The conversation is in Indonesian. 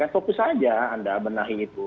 fokus saja anda benahi itu